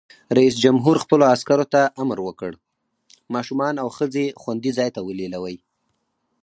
رئیس جمهور خپلو عسکرو ته امر وکړ؛ ماشومان او ښځې خوندي ځای ته ولېلوئ!